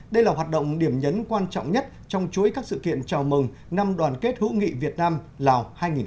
đây là hoạt động điểm nhấn quan trọng nhất trong chuỗi các sự kiện chào mừng năm đoàn kết hữu nghị việt nam lào hai nghìn một mươi chín